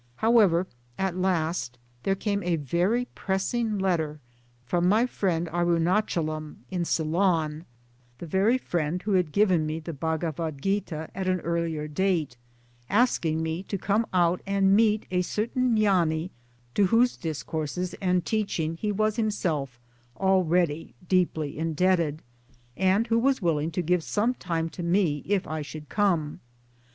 However at last there came a very pressing letter from my friend Arundchalam in Ceylon (the very friend who had given me the Bhagavat Gita at an earlier date), asking me to come out and meet a certain Gnani to whose discourses and teaching he was himself already deeply indebted, and who was willing' to give some time to me if I should come.